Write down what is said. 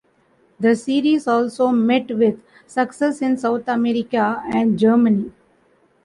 The series also met with success in South America and Germany.